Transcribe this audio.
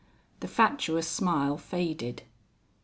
The fatuous smile faded.